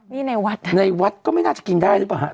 นี่ในวัดนะในวัดก็ไม่น่าจะกินได้หรือเปล่าฮะ